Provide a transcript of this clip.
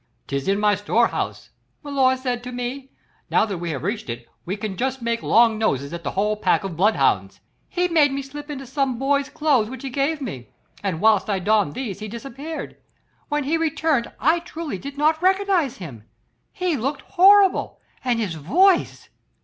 'This is my store house,' milor said to me; 'now that we have reached it we can just make long noses at the whole pack of bloodhounds.' He made me slip into some boy's clothes which he gave me, and whilst I donned these he disappeared. When he returned I truly did not recognise him. He looked horrible, and his voice